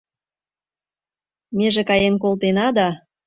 Меже каен колтена да